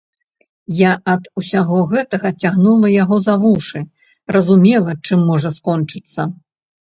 Я ад усяго гэтага цягнула яго за вушы, разумела, чым можа скончыцца.